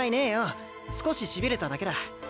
少ししびれただけだ。